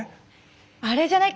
あれじゃない？